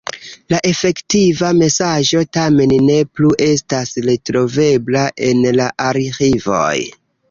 La efektiva mesaĝo tamen ne plu estas retrovebla en la arĥivoj.